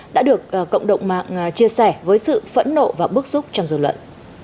đã được cộng đồng mạng chia sẻ với sự phẫn nộ và bức xúc trong dư luận